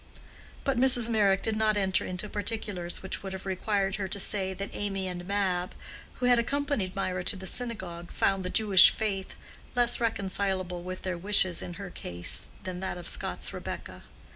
But Mrs. Meyrick did not enter into particulars which would have required her to say that Amy and Mab, who had accompanied Mirah to the synagogue, found the Jewish faith less reconcilable with their wishes in her case than in that of Scott's Rebecca.